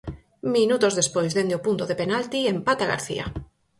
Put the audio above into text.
Minutos despois, dende o punto de penalti empata García.